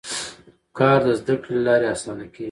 کار د زده کړې له لارې اسانه کېږي